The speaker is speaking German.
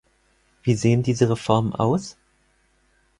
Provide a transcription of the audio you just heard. Wie sehen diese Reformen aus?